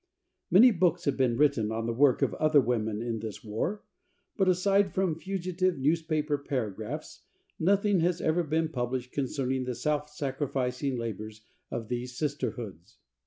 Many books have been written on the work of other women in this war, but, aside from fugitive newspaper paragraphs, nothing has ever been published concerning the self sacrificing labors of these Sisterhoods.